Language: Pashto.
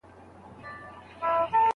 پخوا هلکانو په نکاح کي هيڅ معيارونه نه لرل.